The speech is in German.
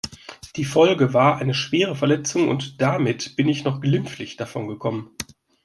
Die Folge war eine schwere Verletzung und damit bin ich noch glimpflich davon gekommen.